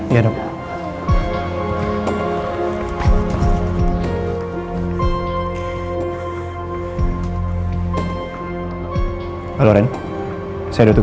ya dok pak